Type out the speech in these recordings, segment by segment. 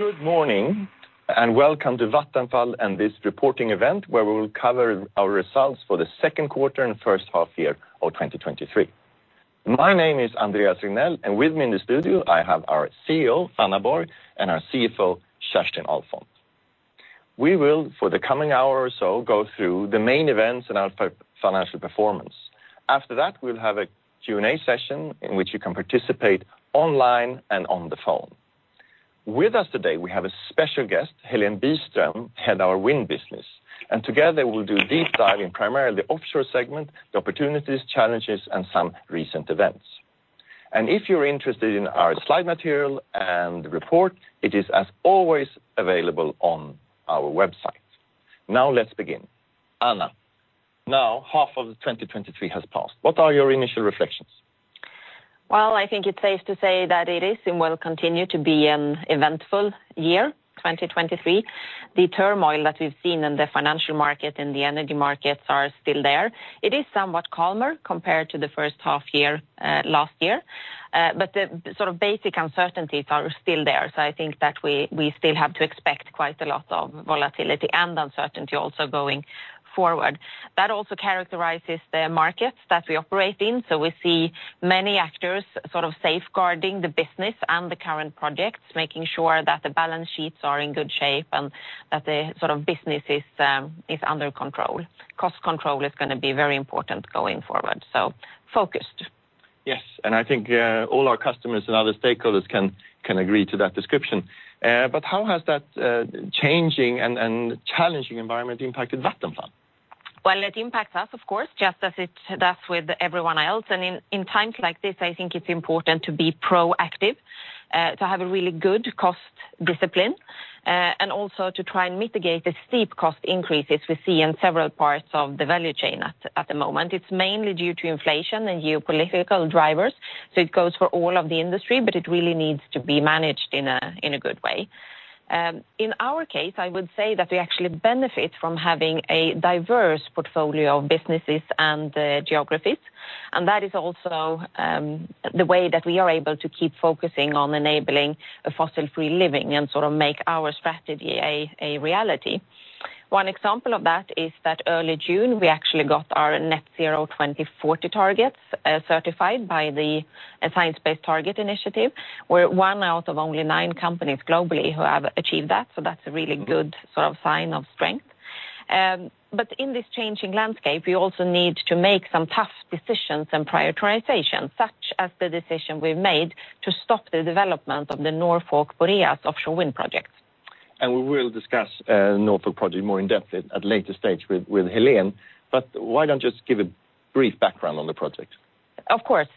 Good morning, welcome to Vattenfall and this reporting event, where we will cover our results for the second quarter and first half year of 2023. My name is Andreas Regnell, with me in the studio, I have our CEO, Anna Borg, and our CFO, Kerstin Ahlfont. We will, for the coming hour or so, go through the main events and our financial performance. After that, we'll have a Q&A session in which you can participate online and on the phone. With us today, we have a special guest, Helene Biström, Head of our Wind business, and together we'll do deep dive in primarily the offshore segment, the opportunities, challenges, and some recent events. If you're interested in our slide material and report, it is, as always, available on our website. Let's begin. Anna, now, half of 2023 has passed. What are your initial reflections? Well, I think it's safe to say that it is and will continue to be an eventful year, 2023. The turmoil that we've seen in the financial market and the energy markets are still there. It is somewhat calmer compared to the first half year last year, but the sort of basic uncertainties are still there. I think that we still have to expect quite a lot of volatility and uncertainty also going forward. That also characterizes the markets that we operate in, so we see many actors sort of safeguarding the business and the current projects, making sure that the balance sheets are in good shape and that the sort of business is under control. Cost control is gonna be very important going forward, so focused. Yes, I think all our customers and other stakeholders can agree to that description. How has that changing and challenging environment impacted Vattenfall? Well, it impacts us, of course, just as it does with everyone else. In times like this, I think it's important to be proactive, to have a really good cost discipline, and also to try and mitigate the steep cost increases we see in several parts of the value chain at the moment. It's mainly due to inflation and geopolitical drivers, so it goes for all of the industry, but it really needs to be managed in a good way. In our case, I would say that we actually benefit from having a diverse portfolio of businesses and geographies, and that is also the way that we are able to keep focusing on enabling a fossil-free living and sort of make our strategy a reality. One example of that is that early June, we actually got our Net Zero 2040 targets certified by the Science Based Targets initiative. We're one out of only nine companies globally who have achieved that, so that's a really good sort of sign of strength. In this changing landscape, we also need to make some tough decisions and prioritization, such as the decision we've made to stop the development of the Norfolk Boreas offshore wind projects. We will discuss, Norfolk project more in-depth at later stage with Helen. Why don't just give a brief background on the project? Of course.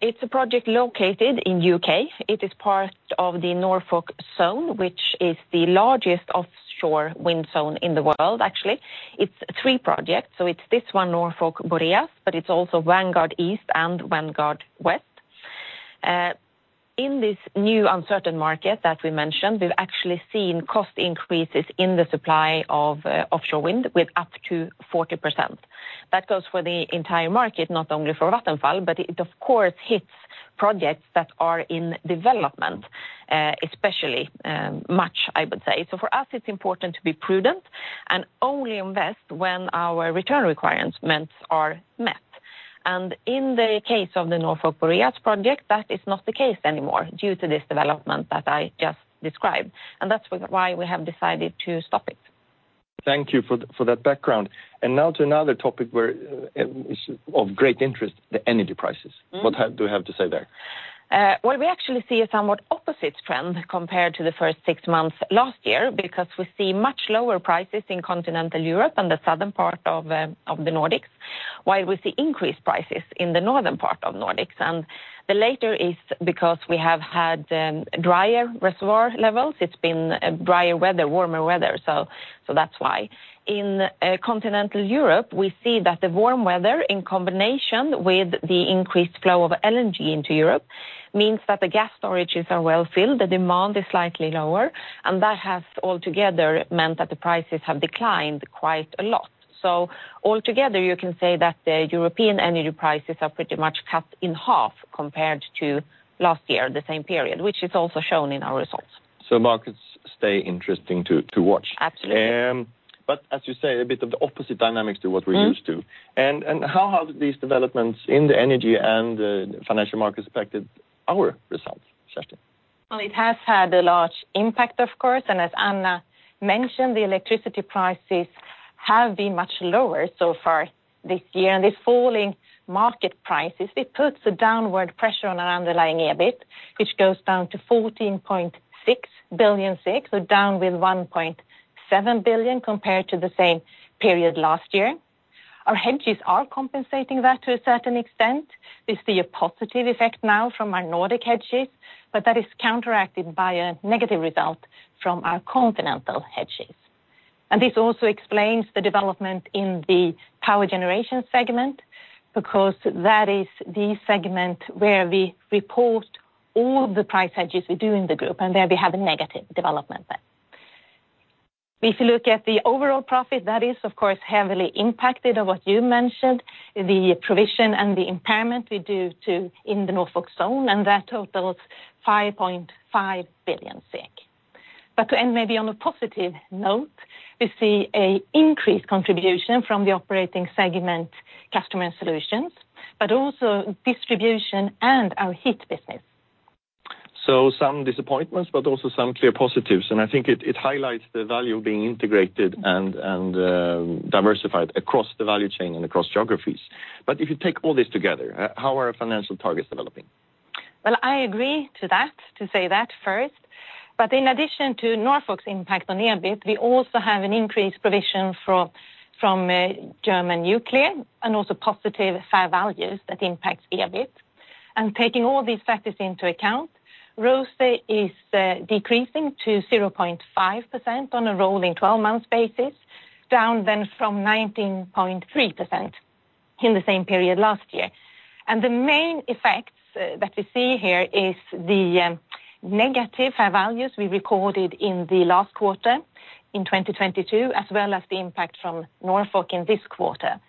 It's a project located in U.K. It is part of the Norfolk Zone, which is the largest offshore wind zone in the world, actually. It's three projects, so it's this one, Norfolk Boreas, but it's also Vanguard East and Vanguard West. In this new uncertain market that we mentioned, we've actually seen cost increases in the supply of offshore wind with up to 40%. That goes for the entire market, not only for Vattenfall, but it of course, hits projects that are in development, especially much, I would say. For us, it's important to be prudent and only invest when our return requirements are met. In the case of the Norfolk Boreas project, that is not the case anymore due to this development that I just described, and that's why we have decided to stop it. Thank you for that background. Now to another topic where is of great interest, the energy prices. Mm-hmm. What do you have to say there? Well, we actually see a somewhat opposite trend compared to the first six months last year, because we see much lower prices in continental Europe and the southern part of the Nordics, while we see increased prices in the northern part of Nordics. The latter is because we have had drier reservoir levels. It's been drier weather, warmer weather, so that's why. In continental Europe, we see that the warm weather, in combination with the increased flow of LNG into Europe, means that the gas storages are well filled, the demand is slightly lower, and that has altogether meant that the prices have declined quite a lot. Altogether, you can say that the European energy prices are pretty much cut in half, compared to last year, the same period, which is also shown in our results. Markets stay interesting to watch? Absolutely. As you say, a bit of the opposite dynamics to what- Mm... used to. How have these developments in the energy and financial markets affected our results, Kerstin? It has had a large impact, of course, and as Anna mentioned, the electricity prices have been much lower so far this year. The falling market prices, it puts a downward pressure on our underlying EBIT, which goes down to 14.6 billion, so down with 1.7 billion compared to the same period last year. Our hedges are compensating that to a certain extent. We see a positive effect now from our Nordic hedges, but that is counteracted by a negative result from our continental hedges. This also explains the development in the Power Generation segment, because that is the segment where we report all of the price hedges we do in the group, and there we have a negative development. If you look at the overall profit, that is, of course, heavily impacted of what you mentioned, the provision and the impairment we do to, in the Norfolk Zone, and that totals 5.5 billion SEK. To end maybe on a positive note, we see a increased contribution from the operating segment, Customers & Solutions, but also distribution and our Heat business. Some disappointments, but also some clear positives, and I think it highlights the value of being integrated and, diversified across the value chain and across geographies. If you take all this together, how are our financial targets developing? Well, I agree to that, to say that first. In addition to Norfolk's impact on EBIT, we also have an increased provision from German Nuclear and also positive fair values that impacts EBIT. Taking all these factors into account, ROACE is decreasing to 0.5% on a rolling 12-month basis, down then from 19.3% in the same period last year. The main effects that we see here is the negative fair values we recorded in the last quarter in 2022, as well as the impact from Norfolk in this quarter.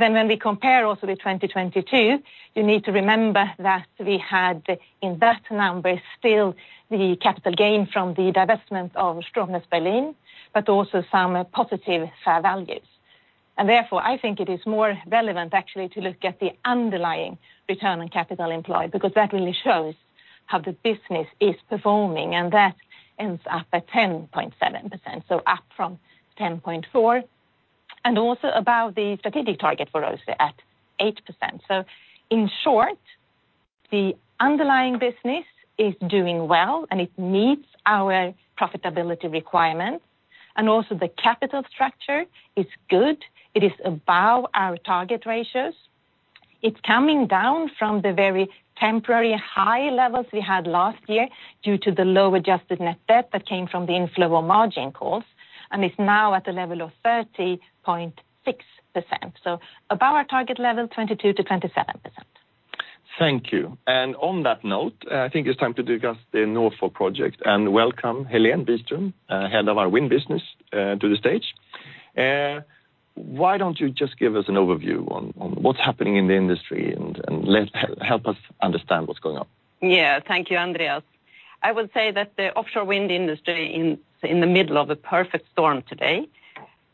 When we compare also to 2022, you need to remember that we had, in that number, still the capital gain from the divestment of Stromnetz Berlin, also some positive fair values. I think it is more relevant, actually, to look at the underlying return on capital employed, because that really shows how the business is performing, and that ends up at 10.7%, so up from 10.4%, and also above the strategic target for ROACE at 8%. In short, the underlying business is doing well, and it meets our profitability requirements, and also the capital structure is good. It is above our target ratios. It's coming down from the very temporary high levels we had last year due to the low adjusted net debt that came from the inflow of margin calls, and it's now at a level of 30.6%, so above our target level, 22%-27%. Thank you. On that note, I think it's time to discuss the Norfolk project, and welcome Helene Biström, head of our Wind business, to the stage. Why don't you just give us an overview on what's happening in the industry and help us understand what's going on? Yeah, thank you, Andreas. I would say that the offshore wind industry in the middle of a perfect storm today.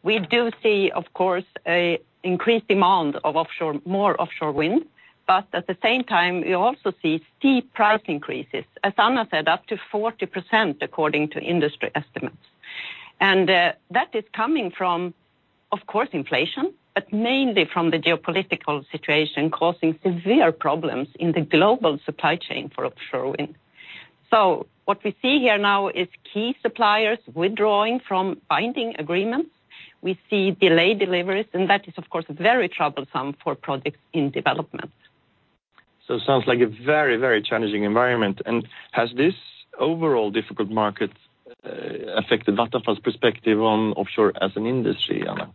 We do see, of course, a increased demand of offshore, more offshore wind, but at the same time, we also see steep price increases. As Anna said, up to 40%, according to industry estimates. That is coming from, of course, inflation, but mainly from the geopolitical situation, causing severe problems in the global supply chain for offshore wind. What we see here now is key suppliers withdrawing from binding agreements. We see delayed deliveries, and that is, of course, very troublesome for projects in development. It sounds like a very, very challenging environment. Has this overall difficult market affected Vattenfall's perspective on offshore as an industry, Anna?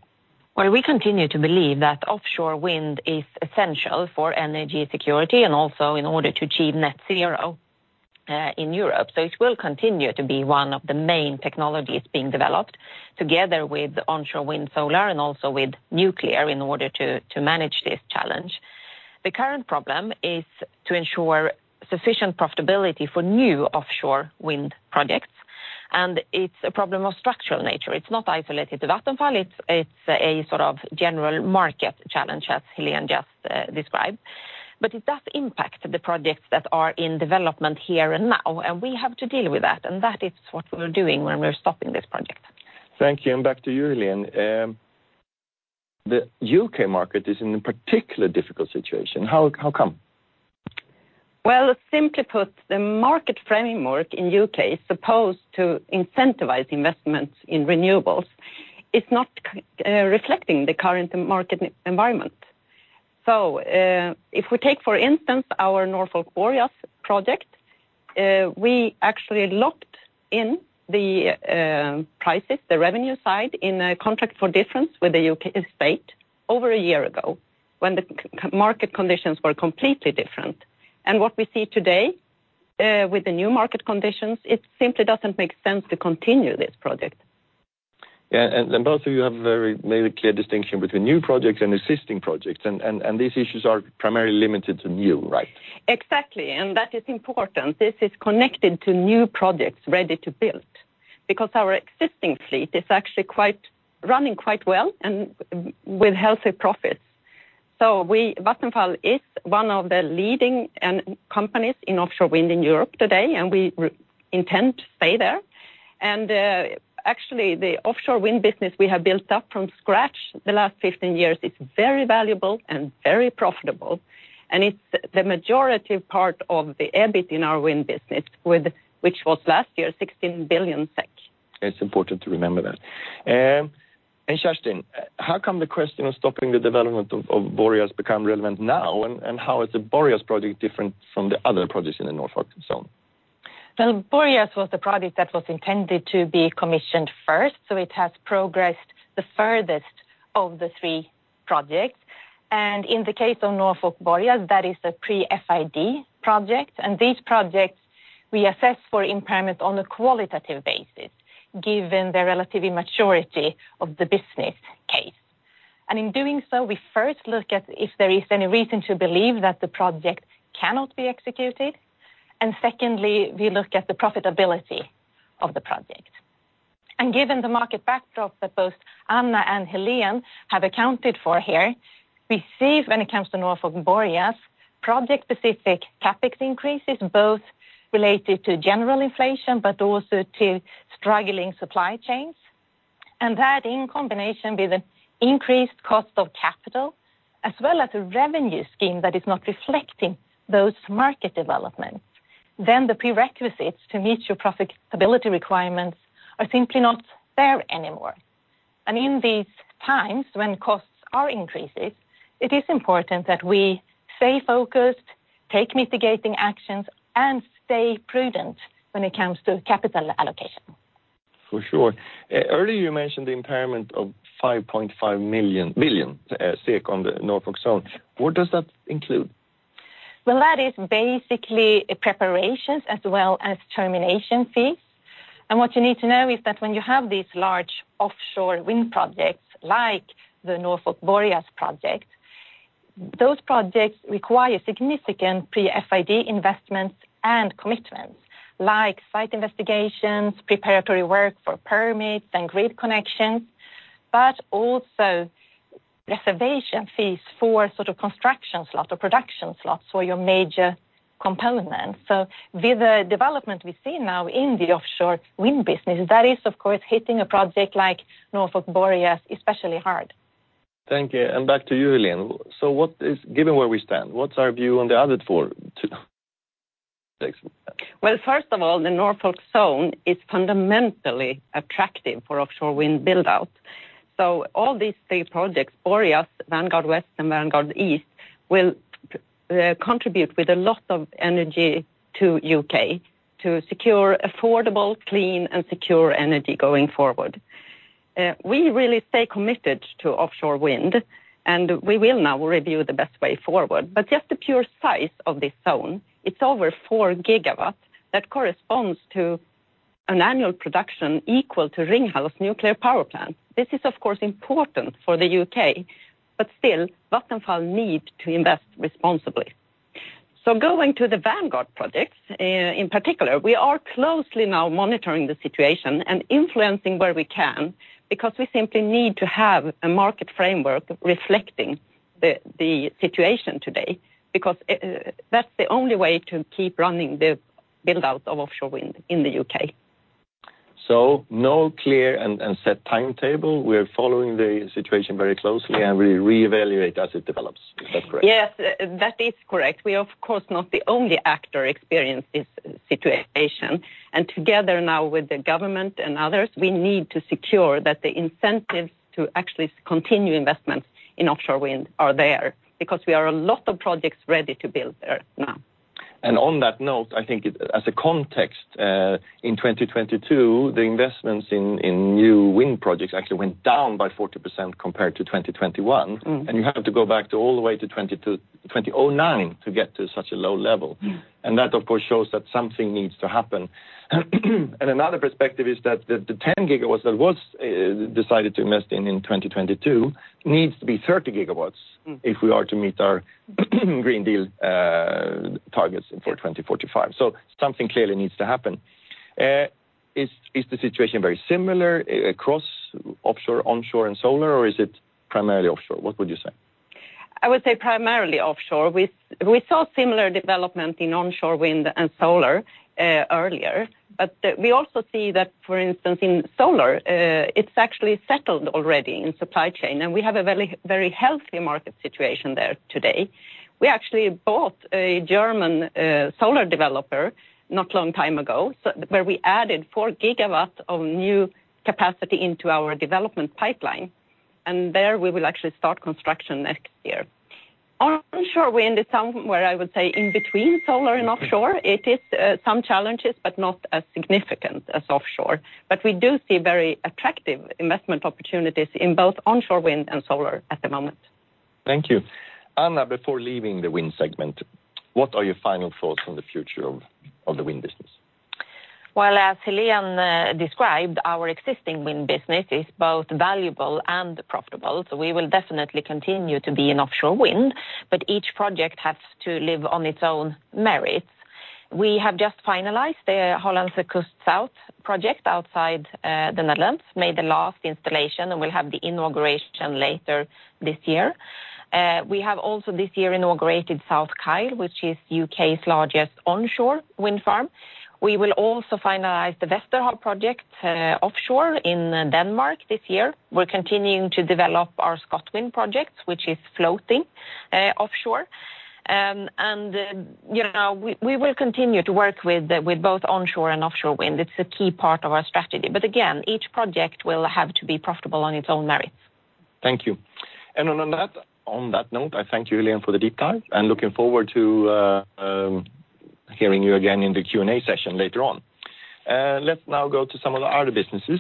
We continue to believe that offshore wind is essential for energy security and also in order to achieve net zero in Europe. It will continue to be one of the main technologies being developed, together with onshore wind, solar, and also with nuclear, in order to manage this challenge. The current problem is to ensure sufficient profitability for new offshore wind projects, and it's a problem of structural nature. It's not isolated to Vattenfall, it's a sort of general market challenge, as Helene just described. It does impact the projects that are in development here and now, and we have to deal with that, and that is what we're doing when we're stopping this project. Thank you, and back to you, Helene. The U.K. market is in a particular difficult situation. How come? Simply put, the market framework in U.K. is supposed to incentivize investments in renewables. It's not reflecting the current market environment. If we take, for instance, our Norfolk Boreas project, we actually locked in the prices, the revenue side, in a Contract for Difference with the U.K. state over a year ago, when the market conditions were completely different. What we see today, with the new market conditions, it simply doesn't make sense to continue this project. Yeah, both of you have made a clear distinction between new projects and existing projects, these issues are primarily limited to new, right? Exactly, that is important. This is connected to new projects ready to build, because our existing fleet is actually quite, running quite well and with healthy profits. We, Vattenfall is one of the leading companies in offshore wind in Europe today, we intend to stay there. Actually, the offshore wind business we have built up from scratch the last 15 years is very valuable and very profitable, and it's the majority of part of the EBIT in our Wind business, with, which was last year, 16 billion SEK. It's important to remember that. Kerstin Ahlfont, how come the question of stopping the development of Boreas become relevant now, and how is the Boreas project different from the other projects in the Norfolk Zone? Well, Boreas was the project that was intended to be commissioned first, so it has progressed the furthest of the three projects. In the case of Norfolk Boreas, that is a pre-FID project, and these projects we assess for impairment on a qualitative basis, given the relative immaturity of the business case. In doing so, we first look at if there is any reason to believe that the project cannot be executed, and secondly, we look at the profitability of the project. Given the market backdrop that both Anna and Helene have accounted for here, we see when it comes to Norfolk Boreas, project-specific CapEx increases, both related to general inflation, but also to struggling supply chains. That, in combination with an increased cost of capital, as well as a revenue scheme that is not reflecting those market developments, then the prerequisites to meet your profitability requirements are simply not there anymore. In these times when costs are increasing, it is important that we stay focused, take mitigating actions, and stay prudent when it comes to capital allocation. For sure. Earlier, you mentioned the impairment of 5.5 billion on the Norfolk Zone. What does that include? That is basically preparations as well as termination fees. What you need to know is that when you have these large offshore wind projects, like the Norfolk Boreas project, those projects require significant pre-FID investments and commitments, like site investigations, preparatory work for permits and grid connections, but also reservation fees for sort of construction slots or production slots for your major components. With the development we see now in the offshore wind business, that is, of course, hitting a project like Norfolk Boreas especially hard. Thank you, and back to you, Helene. What is given where we stand, what's our view on the other four, too? Thanks. First of all, the Norfolk Zone is fundamentally attractive for offshore wind build-out. All these three projects, Boreas, Vanguard West, and Vanguard East, will contribute with a lot of energy to U.K. to secure affordable, clean, and secure energy going forward. We really stay committed to offshore wind, and we will now review the best way forward. Just the pure size of this zone, it's over 4 gigawatts. That corresponds to an annual production equal to Ringhals nuclear power plant. This is, of course, important for the U.K., but still, Vattenfall need to invest responsibly. Going to the Vanguard projects, in particular, we are closely now monitoring the situation and influencing where we can, because we simply need to have a market framework reflecting the situation today, because, that's the only way to keep running the build-out of offshore wind in the U.K. No clear and set timetable. We're following the situation very closely, and we reevaluate as it develops. Is that correct? Yes, that is correct. We of course, not the only actor experience this situation, and together now with the government and others, we need to secure that the incentives to actually continue investments in offshore wind are there, because we are a lot of projects ready to build there now. On that note, I think as a context, in 2022, the investments in new wind projects actually went down by 40% compared to 2021. Mm-hmm. you have to go back to all the way to 2009 to get to such a low level. Mm. That, of course, shows that something needs to happen. Another perspective is that the 10 gigawatts that was decided to invest in 2022 needs to be 30 gigawatts. Mm. if we are to meet our Green Deal, targets for 2045. something clearly needs to happen. is the situation very similar across offshore, onshore, and solar, or is it primarily offshore? What would you say? I would say primarily offshore. We saw similar development in onshore wind and solar earlier, but we also see that, for instance, in solar, it's actually settled already in supply chain, and we have a very, very healthy market situation there today. We actually bought a German solar developer not long time ago, where we added 4 GW of new capacity into our development pipeline, and there we will actually start construction next year. Onshore wind is somewhere, I would say, in between solar and offshore. It is some challenges, but not as significant as offshore. We do see very attractive investment opportunities in both onshore wind and solar at the moment. Thank you. Anna, before leaving the Wind segment, what are your final thoughts on the future of the Wind business? As Helene described, our existing Wind business is both valuable and profitable. We will definitely continue to be in offshore wind, but each project has to live on its own merits. We have just finalized the Hollandse Kust Zuid project outside the Netherlands, made the last installation, and we'll have the inauguration later this year. We have also this year inaugurated South Kyle, which is U.K.'s largest onshore wind farm. We will also finalize the Vesterhav project offshore in Denmark this year. We're continuing to develop our ScotWind project, which is floating offshore. You know, we will continue to work with both onshore and offshore wind. It's a key part of our strategy. Again, each project will have to be profitable on its own merits. Thank you. On that note, I thank you, Helene, for the deep dive and looking forward to hearing you again in the Q&A session later on. Let's now go to some of the other businesses.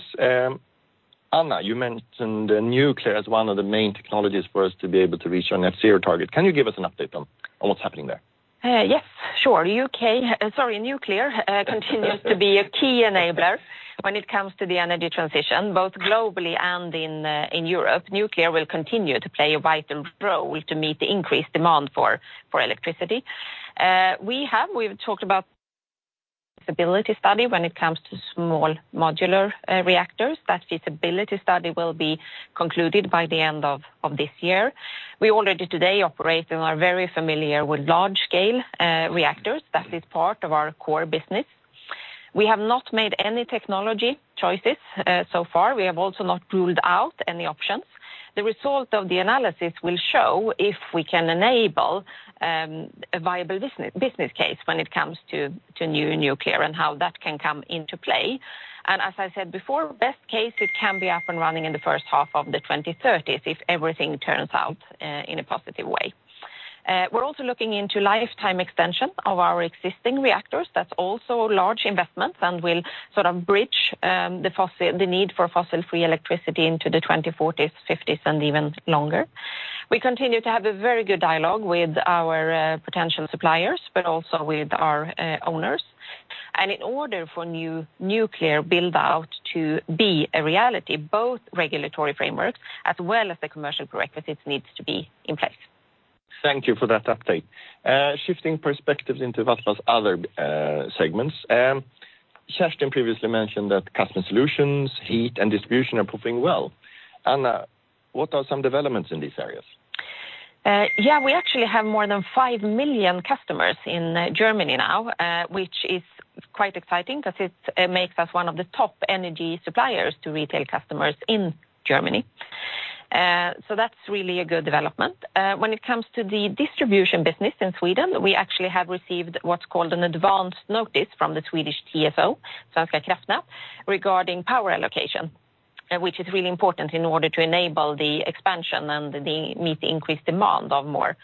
Anna, you mentioned nuclear as one of the main technologies for us to be able to reach our Net Zero target. Can you give us an update on what's happening there? Yes, sure. U.K., sorry, nuclear continues to be a key enabler when it comes to the energy transition, both globally and in Europe. Nuclear will continue to play a vital role to meet the increased demand for electricity. We've talked about feasibility study when it comes to small modular reactors. That feasibility study will be concluded by the end of this year. We already today operate and are very familiar with large scale reactors. That is part of our core business. We have not made any technology choices so far. We have also not ruled out any options. The result of the analysis will show if we can enable a viable business case when it comes to new nuclear and how that can come into play. As I said before, best case, it can be up and running in the first half of the 2030s, if everything turns out in a positive way. We're also looking into lifetime extension of our existing reactors. That's also large investments and will sort of bridge the need for fossil-free electricity into the 2040s, 2050s, and even longer. We continue to have a very good dialogue with our potential suppliers, but also with our owners. In order for new nuclear build-out to be a reality, both regulatory frameworks as well as the commercial prerequisites needs to be in place. Thank you for that update. Shifting perspectives into Vattenfall's other segments. Kerstin previously mentioned that Customers & Solutions, Heat, and Distribution are performing well. Anna, what are some developments in these areas? Yeah, we actually have more than 5 million customers in Germany now, which is quite exciting because it makes us one of the top energy suppliers to retail customers in Germany. That's really a good development. When it comes to the Distribution business in Sweden, we actually have received what's called an advanced notice from the Swedish TSO, Svenska kraftnät, regarding power allocation, which is really important in order to enable the expansion and the, meet the increased demand of more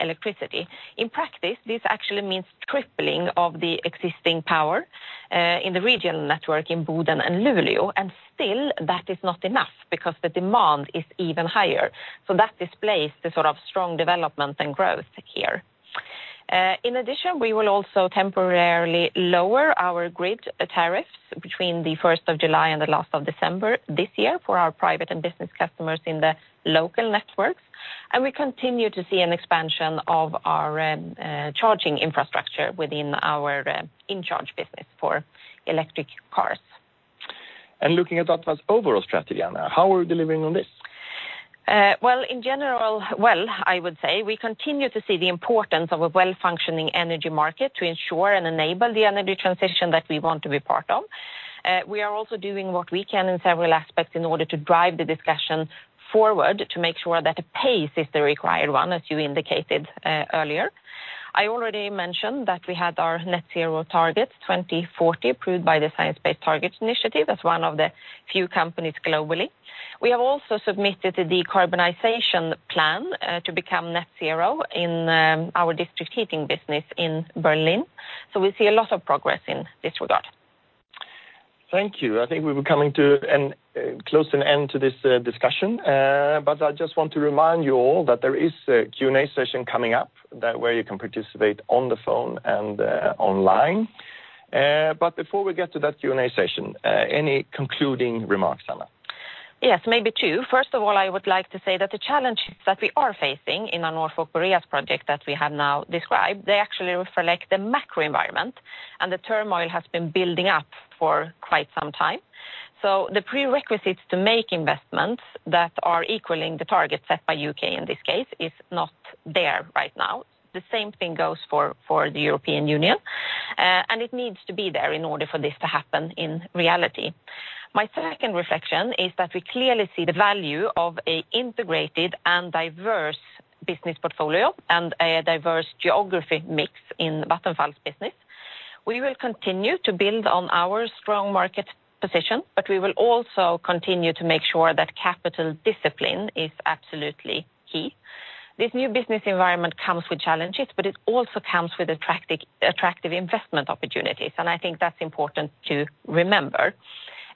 electricity. In practice, this actually means tripling of the existing power in the regional network in Boden and Luleå, and still that is not enough because the demand is even higher. That displays the sort of strong development and growth here. In addition, we will also temporarily lower our grid tariffs between the 1st of July and the last of December this year for our private and business customers in the local networks. We continue to see an expansion of our charging infrastructure within our InCharge business for electric cars. Looking at Vattenfall's overall strategy, Anna, how are we delivering on this? Well, in general, I would say we continue to see the importance of a well-functioning energy market to ensure and enable the energy transition that we want to be part of. We are also doing what we can in several aspects in order to drive the discussion forward, to make sure that the pace is the required one, as you indicated earlier. I already mentioned that we had our Net Zero targets, 2040, approved by the Science Based Targets initiative. That's one of the few companies globally. We have also submitted the decarbonization plan to become net zero in our district heating business in Berlin. We see a lot of progress in this regard. Thank you. I think we were coming to an close and end to this discussion. I just want to remind you all that there is a Q&A session coming up, that where you can participate on the phone and online. Before we get to that Q&A session, any concluding remarks, Anna? Yes, maybe two. First of all, I would like to say that the challenges that we are facing in the Norfolk Boreas project that we have now described, they actually reflect the macro environment, and the turmoil has been building up for quite some time. The prerequisites to make investments that are equaling the target set by U.K., in this case, is not there right now. The same thing goes for the European Union. It needs to be there in order for this to happen in reality. My second reflection is that we clearly see the value of a integrated and diverse business portfolio and a diverse geography mix in Vattenfall's business. We will continue to build on our strong market position, we will also continue to make sure that capital discipline is absolutely key. This new business environment comes with challenges, but it also comes with attractive investment opportunities, and I think that's important to remember.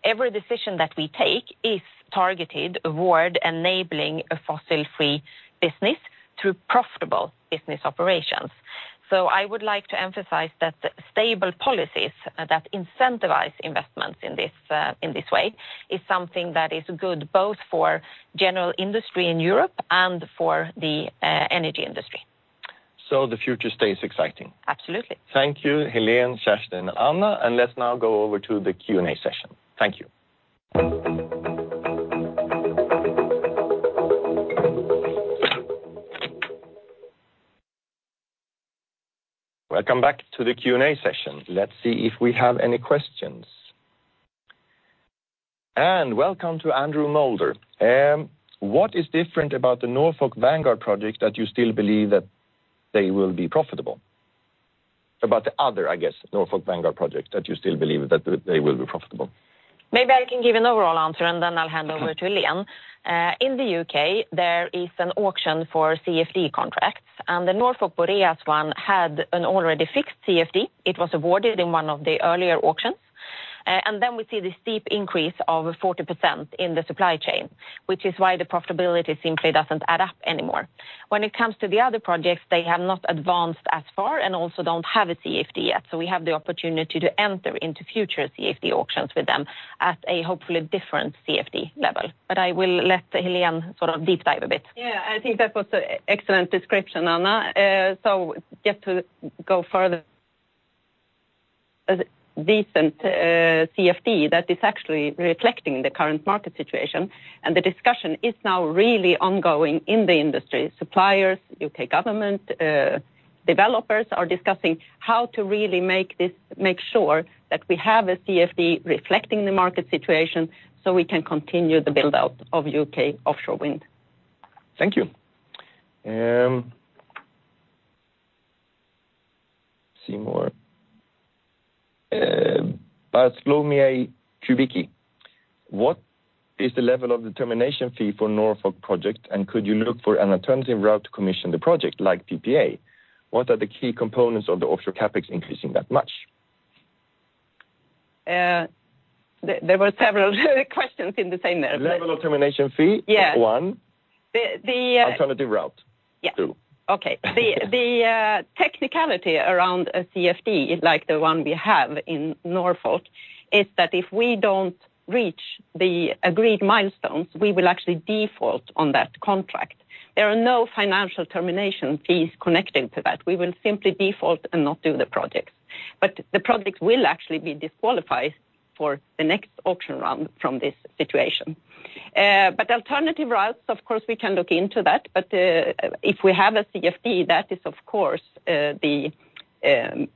Every decision that we take is targeted toward enabling a fossil-free business through profitable business operations. I would like to emphasize that stable policies that incentivize investments in this, in this way, is something that is good both for general industry in Europe and for the energy industry. The future stays exciting? Absolutely. Thank you, Helene, Kerstin, and Anna. Let's now go over to the Q&A session. Thank you. Welcome back to the Q&A session. Let's see if we have any questions. Welcome to Andrew Moulder. What is different about the Norfolk Vanguard project that you still believe that they will be profitable? About the other, I guess, Norfolk Vanguard project, that you still believe that they will be profitable? Maybe I can give an overall answer, then I'll hand over to Helene Biström. In the U.K., there is an auction for CFD contracts, and the Norfolk Boreas one had an already fixed CFD. It was awarded in one of the earlier auctions. Then we see this steep increase of 40% in the supply chain, which is why the profitability simply doesn't add up anymore. When it comes to the other projects, they have not advanced as far and also don't have a CFD yet, so we have the opportunity to enter into future CFD auctions with them at a hopefully different CFD level. I will let Helene Biström sort of deep dive a bit. Yeah, I think that was an excellent description, Anna. Just to go further, a decent CFD that is actually reflecting the current market situation. The discussion is now really ongoing in the industry. Suppliers, U.K. government, developers are discussing how to really make sure that we have a CFD reflecting the market situation. We can continue the build-out of U.K. offshore wind. Thank you. See more. Bartlomiej Kubicki, what is the level of the termination fee for Norfolk project, and could you look for an alternative route to commission the project, like PPA? What are the key components of the offshore CapEx increasing that much? There were several questions in the same there. Level of termination fee. Yeah. One. The Alternative route. Yeah. Two. Okay. The technicality around a CFD, like the one we have in Norfolk, is that if we don't reach the agreed milestones, we will actually default on that contract. There are no financial termination fees connected to that. We will simply default and not do the project, the project will actually be disqualified for the next auction round from this situation. Alternative routes, of course, we can look into that, but if we have a CFD, that is, of course, the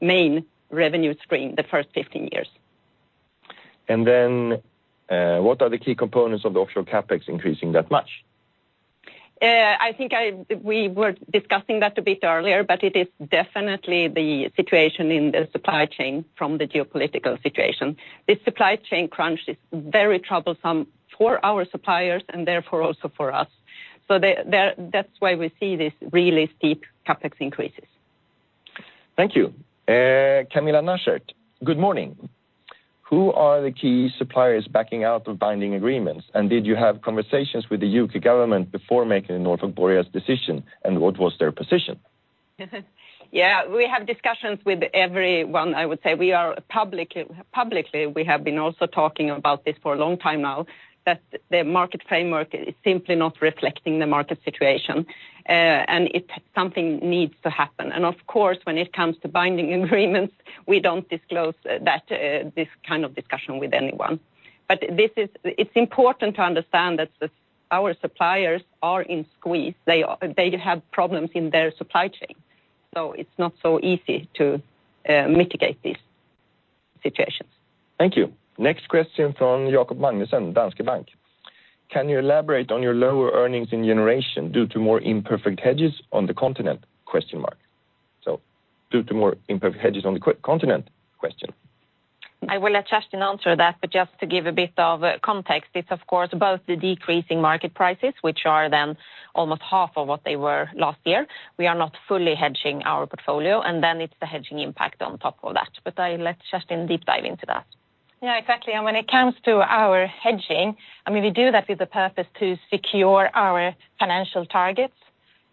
main revenue stream, the first 15 years. What are the key components of the offshore CapEx increasing that much? I think we were discussing that a bit earlier. It is definitely the situation in the supply chain from the geopolitical situation. This supply chain crunch is very troublesome for our suppliers and therefore also for us. That's why we see this really steep CapEx increases. Thank you. Good morning. Who are the key suppliers backing out of binding agreements? Did you have conversations with the U.K. government before making the Norfolk Boreas decision? What was their position? Yeah, we have discussions with everyone. I would say, we are publicly, we have been also talking about this for a long time now, that the market framework is simply not reflecting the market situation, something needs to happen. Of course, when it comes to binding agreements, we don't disclose that, this kind of discussion with anyone. It's important to understand that our suppliers are in squeeze. They have problems in their supply chain, so it's not so easy to mitigate these situations. Thank you. Next question from Jakob Magnussen, Danske Bank. Can you elaborate on your lower earnings in generation due to more imperfect hedges on the continent? I will let Kerstin answer that. Just to give a bit of context, it's of course, both the decreasing market prices, which are then almost half of what they were last year. We are not fully hedging our portfolio. Then it's the hedging impact on top of that. I let Kerstin deep dive into that. Yeah, exactly. When it comes to our hedging, I mean, we do that with the purpose to secure our financial targets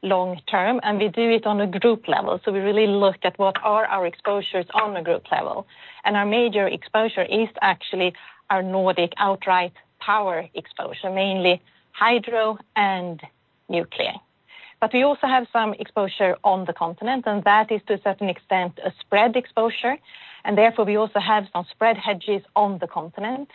long-term, and we do it on a group level. We really look at what are our exposures on a group level, and our major exposure is actually our Nordic outright power exposure, mainly hydro and nuclear. We also have some exposure on the continent, and that is, to a certain extent, a spread exposure, and therefore, we also have some spread hedges on the continent,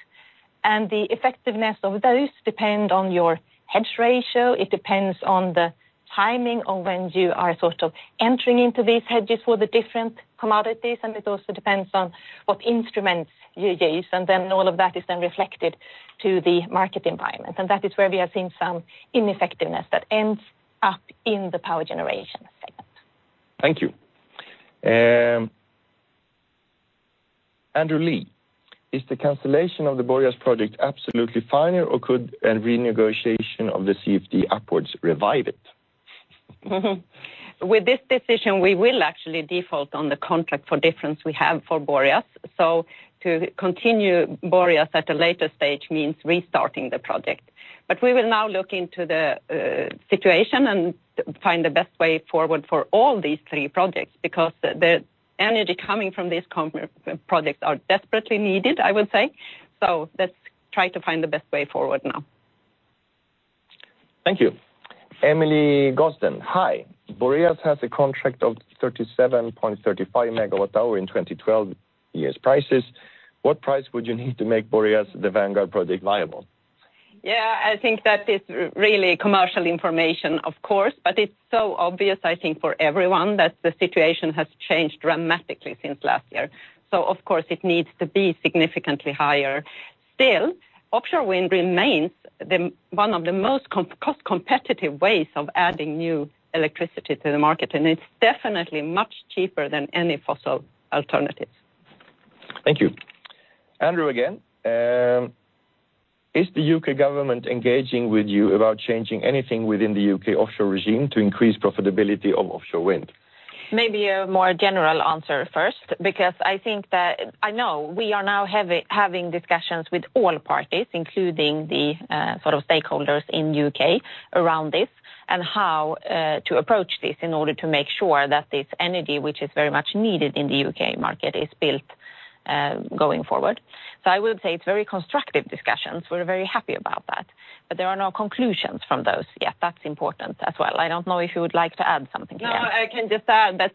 and the effectiveness of those depend on your hedge ratio. It depends on the timing of when you are sort of entering into these hedges for the different commodities. It also depends on what instruments you use. Then all of that is then reflected to the market environment. That is where we have seen some ineffectiveness that ends up in the Power Generation segment. Thank you. Is the cancellation of the Boreas project absolutely final, or could a renegotiation of the CFD upwards revive it? With this decision, we will actually default on the Contract for Difference we have for Boreas, so to continue Boreas at a later stage means restarting the project. We will now look into the situation and find the best way forward for all these three projects, because the energy coming from these projects are desperately needed, I would say. Let's try to find the best way forward now. Thank you. Hi, Boreas has a contract of 37.35/MWh in 2012 prices. What price would you need to make Boreas the vanguard project viable? Yeah, I think that is really commercial information, of course, but it's so obvious, I think, for everyone, that the situation has changed dramatically since last year. Of course, it needs to be significantly higher still. offshore wind remains the one of the most cost competitive ways of adding new electricity to the market, and it's definitely much cheaper than any fossil alternative. Thank you. Andrew, again, is the U.K. government engaging with you about changing anything within the U.K. offshore regime to increase profitability of offshore wind? Maybe a more general answer first, because I know we are now having discussions with all parties, including the sort of stakeholders in U.K. around this, and how to approach this in order to make sure that this energy, which is very much needed in the U.K. market, is built going forward. I would say it's very constructive discussions. We're very happy about that, but there are no conclusions from those yet. That's important as well. I don't know if you would like to add something to that. I can just add that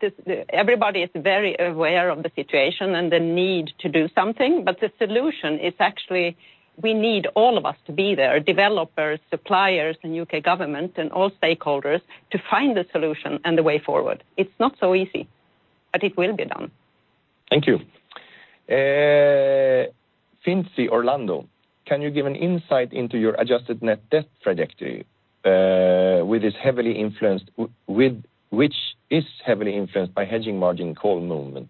everybody is very aware of the situation and the need to do something. The solution is actually we need all of us to be there, developers, suppliers, and U.K. government, and all stakeholders, to find a solution and a way forward. It's not so easy. It will be done. Thank you. Can you give an insight into your adjusted net debt trajectory, which is heavily influenced by hedging margin call movements?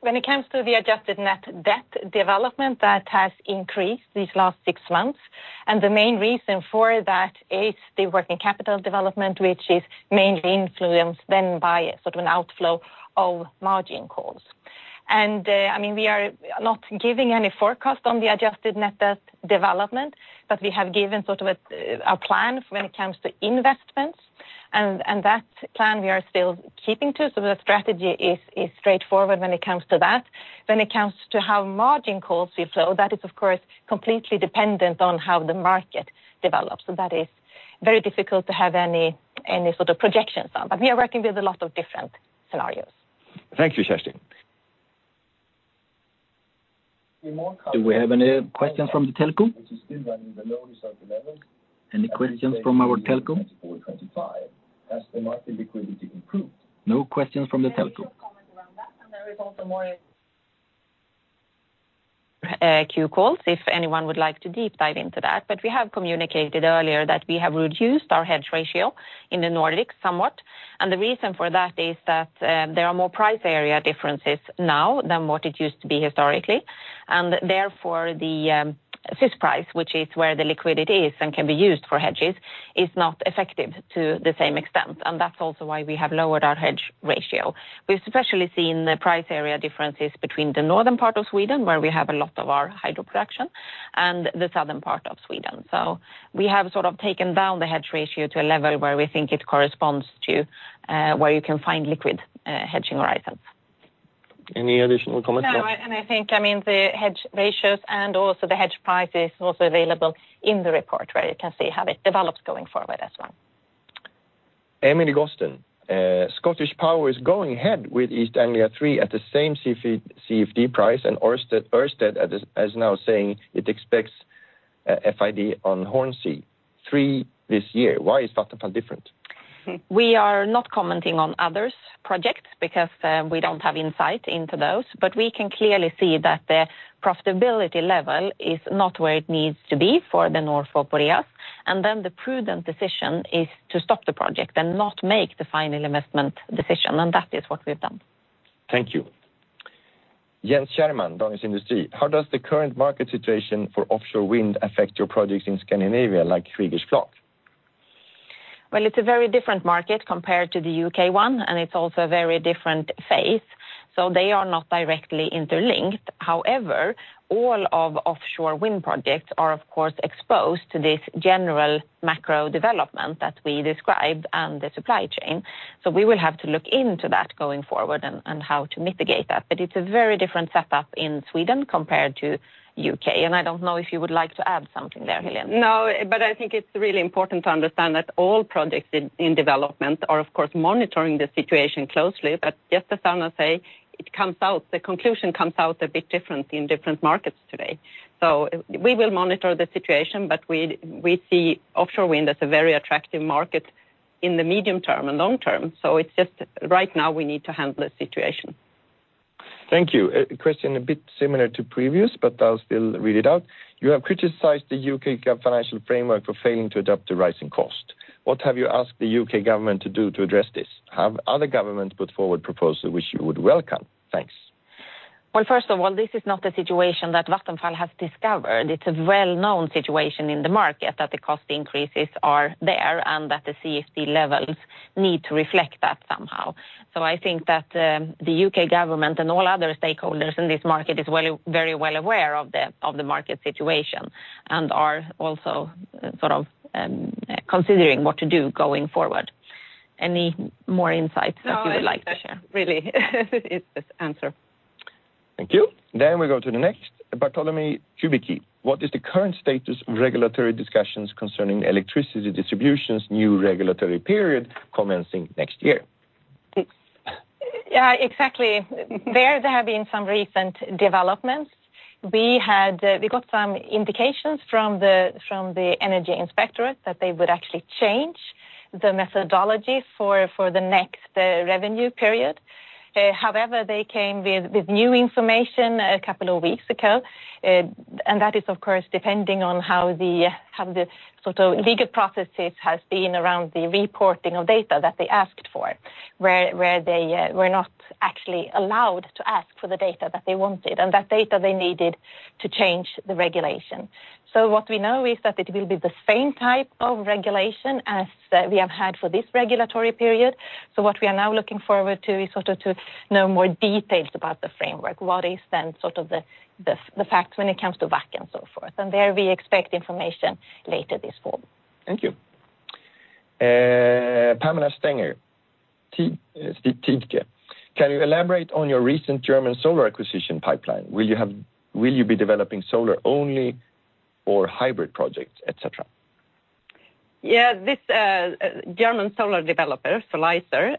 When it comes to the adjusted net debt development, that has increased these last six months. The main reason for that is the working capital development, which is mainly influenced then by sort of an outflow of margin calls. I mean, we are not giving any forecast on the adjusted net debt development, but we have given sort of a plan when it comes to investments. That plan we are still keeping to, so the strategy is straightforward when it comes to that. When it comes to how margin calls will flow, that is, of course, completely dependent on how the market develops. That is very difficult to have any sort of projections on, but we are working with a lot of different scenarios. Thank you, Kerstin. Do we have any questions from the telco? Any questions from our telco? 2024, 2025, as the market liquidity improved. No questions from the telco. Q calls, if anyone would like to deep dive into that, but we have communicated earlier that we have reduced our hedge ratio in the Nordics somewhat. The reason for that is that there are more price area differences now than what it used to be historically. Therefore, the fixed price, which is where the liquidity is and can be used for hedges, is not effective to the same extent, and that's also why we have lowered our hedge ratio. We've especially seen the price area differences between the northern part of Sweden, where we have a lot of our hydro production, and the southern part of Sweden. We have sort of taken down the hedge ratio to a level where we think it corresponds to where you can find liquid hedging horizons. Any additional comments? No, and I think, I mean, the hedge ratios and also the hedge price is also available in the report, where you can see how it develops going forward as well. ScottishPower is going ahead with East Anglia THREE at the same CFD price, and Ørsted is now saying it expects FID on Hornsea 3 this year. Why is Vattenfall different? We are not commenting on others' projects because we don't have insight into those. We can clearly see that the profitability level is not where it needs to be for the Norfolk Boreas, and then the prudent decision is to stop the project and not make the final investment decision, and that is what we've done. Thank you. Jens Schjerning, Danish Industry: How does the current market situation for offshore wind affect your projects in Scandinavia, like Swedish Kriegers Flak? It's a very different market compared to the U.K. one, and it's also a very different phase, so they are not directly interlinked. However, all of offshore wind projects are, of course, exposed to this general macro development that we described and the supply chain. We will have to look into that going forward and how to mitigate that. It's a very different setup in Sweden compared to U.K., and I don't know if you would like to add something there, Helene. I think it's really important to understand that all projects in development are, of course, monitoring the situation closely. Just as Anna say, it comes out, the conclusion comes out a bit different in different markets today. We will monitor the situation, but we see offshore wind as a very attractive market in the medium term and long term. It's just right now, we need to handle the situation. Thank you. A question a bit similar to previous, but I'll still read it out. You have criticized the U.K. financial framework for failing to adapt to rising cost. What have you asked the U.K. government to do to address this? Have other governments put forward proposals which you would welcome? Thanks. First of all, this is not a situation that Vattenfall has discovered. It's a well-known situation in the market, that the cost increases are there and that the CFD levels need to reflect that somehow. I think that, the U.K. government and all other stakeholders in this market is very well aware of the market situation, and are also sort of considering what to do going forward. Any more insights that you would like to share? Really, it's just answer. Thank you. We go to the next. What is the current status of regulatory discussions concerning electricity distribution's new regulatory period commencing next year? Yeah, exactly. There have been some recent developments. We got some indications from the Energy Inspectorate that they would actually change the methodology for the next revenue period. However, they came with new information a couple of weeks ago, and that is, of course, depending on how the sort of legal processes has been around the reporting of data that they asked for, where they were not actually allowed to ask for the data that they wanted, and that data they needed to change the regulation. What we know is that it will be the same type of regulation as we have had for this regulatory period. What we are now looking forward to is sort of to know more details about the framework. What is sort of the, the facts when it comes to WACC and so forth, and there we expect information later this fall. Thank you. Pamela Stenger, Die Zeit. Can you elaborate on your recent German solar acquisition pipeline? Will you be developing solar only or hybrid projects, et cetera? Yeah, this German solar developer, Solizer,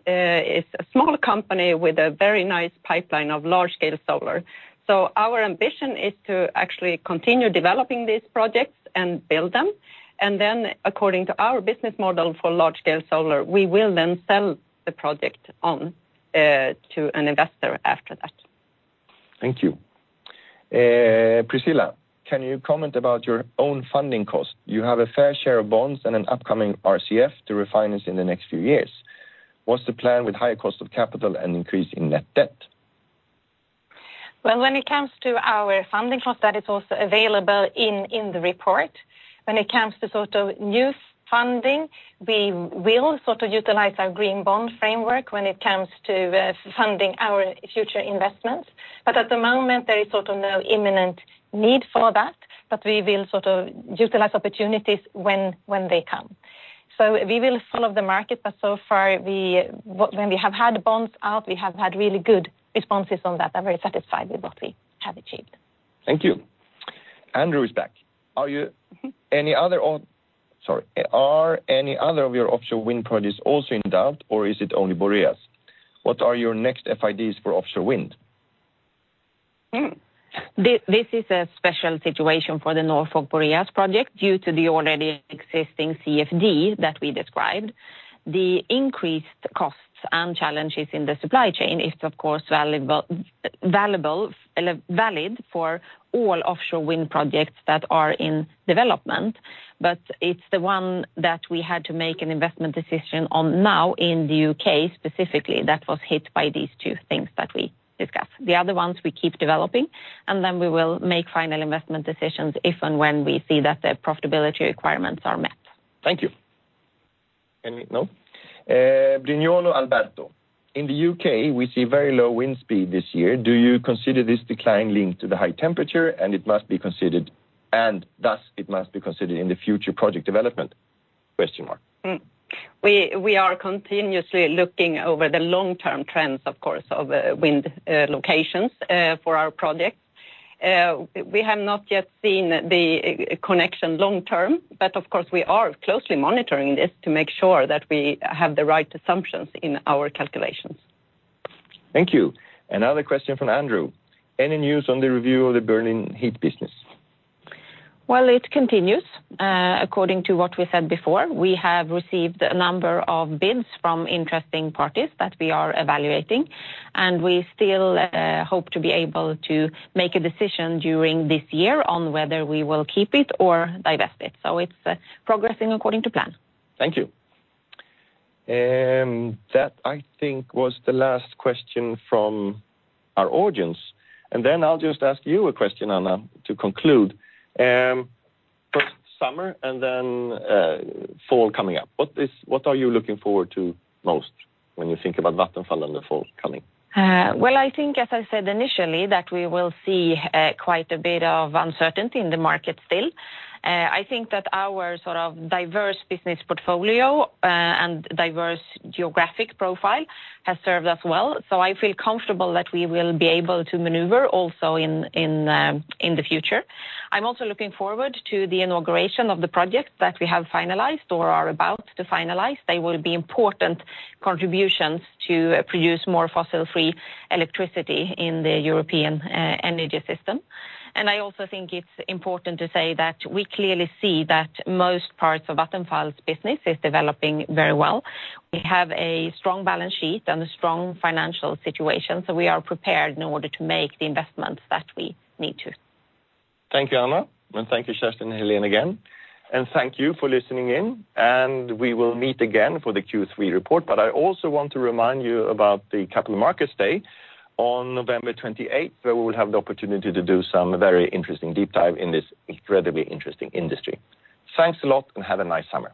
is a smaller company with a very nice pipeline of large-scale solar. Our ambition is to actually continue developing these projects and build them, and then, according to our business model for large-scale solar, we will then sell the project on to an investor after that. Thank you. Priscilla, can you comment about your own funding cost? You have a fair share of bonds and an upcoming RCF to refinance in the next few years. What's the plan with higher cost of capital and increase in net debt? When it comes to our funding cost, that is also available in the report. When it comes to sort of new funding, we will sort of utilize our Green Bond Framework when it comes to funding our future investments. At the moment, there is sort of no imminent need for that, but we will sort of utilize opportunities when they come. We will follow the market, but so far, when we have had bonds out, we have had really good responses on that. I'm very satisfied with what we have achieved. Thank you. Andrew is back. Sorry. Are any other of your offshore wind projects also in doubt, or is it only Boreas? What are your next FIDs for offshore wind? Mm-hmm. This is a special situation for the Norfolk Boreas project due to the already existing CFD that we described. The increased costs and challenges in the supply chain is, of course, valid for all offshore wind projects that are in development, but it's the one that we had to make an investment decision on now in the U.K., specifically, that was hit by these two things that we discussed. We will make final investment decisions, if and when we see that the profitability requirements are met. Thank you. No? In the U.K., we see very low wind speed this year. Do you consider this decline linked to the high temperature, and it must be considered, and thus it must be considered in the future project development? We are continuously looking over the long-term trends, of course, of wind locations for our projects. We have not yet seen the connection long term, but of course, we are closely monitoring this to make sure that we have the right assumptions in our calculations. Thank you. Another question from Andrew: Any news on the review of the burning Heat business? Well, it continues. According to what we said before, we have received a number of bids from interesting parties that we are evaluating, and we still hope to be able to make a decision during this year on whether we will keep it or divest it. It's progressing according to plan. Thank you. That, I think, was the last question from our audience, and then I'll just ask you a question, Anna, to conclude. First, summer, and then, fall coming up. What are you looking forward to most when you think about Vattenfall in the fall coming? Well, I think, as I said initially, that we will see quite a bit of uncertainty in the market still. I think that our sort of diverse business portfolio and diverse geographic profile has served us well. I feel comfortable that we will be able to maneuver also in the future. I'm also looking forward to the inauguration of the project that we have finalized or are about to finalize. They will be important contributions to produce more fossil-free electricity in the European energy system. I also think it's important to say that we clearly see that most parts of Vattenfall's business is developing very well. We have a strong balance sheet and a strong financial situation. We are prepared in order to make the investments that we need to. Thank you, Anna, and thank you, Kerstin and Helene, again, and thank you for listening in, and we will meet again for the Q3 report. I also want to remind you about the Capital Markets Day on November 28th, where we will have the opportunity to do some very interesting deep dive in this incredibly interesting industry. Thanks a lot, and have a nice summer.